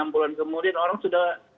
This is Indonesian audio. enam bulan kemudian orang sudah